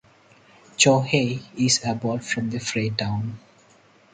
Cho Hae is about from the Phrae town.